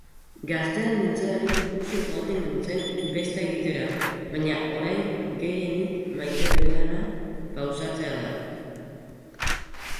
Gaztea nintzelarik usu joaten nintzen besta egitera baina orain gehienik maite dudana pausatzea da.